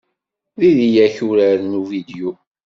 Diri-yak uraren uvidyu.